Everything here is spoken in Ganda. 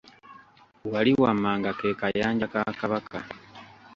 Wali wammanga ke kayanja ka kabaka.